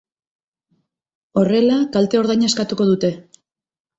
Horrela, kalte-ordaina eskatuko dute.